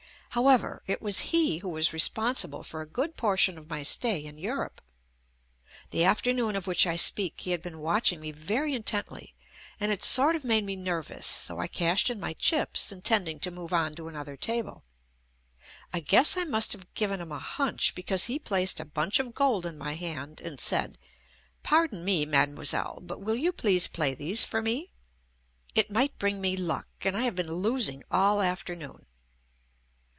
However, it was he who was responsible for a JUST ME good portion of my stay in Europe. The aft ernoon of which I speak he had been watch ing me very intently and it sort of made me nervous, so I cashed in my chips intending to move on to another table. I guess I must have given him a "hunch" because he placed a bunch of gold in my hand and said, "Pardon me, Mademoiselle, but will you please play these for me. It might bring me luck, and I have been losing all afternoon."